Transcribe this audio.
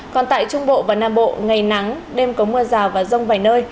còn tại trung bộ và nam bộ ngày nắng đêm có mưa rào và rông vài nơi